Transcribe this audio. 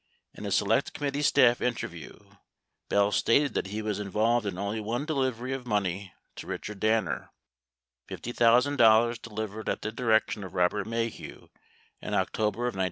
In a Select Committee staff interview, Bell stated that he was involved in only one delivery of money to Richard Danner, $50,000 delivered at the direction of Robert Maheu in October of 1970.